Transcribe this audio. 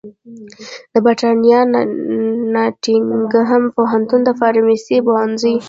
د برېتانیا ناټینګهم پوهنتون د فارمیسي پوهنځي